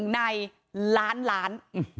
ในล้านล้าน